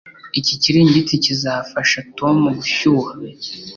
Iki kiringiti kizafasha Tom gushyuha.